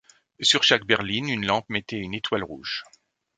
Sur chaque berline, une lampe mettait une étoile rouge.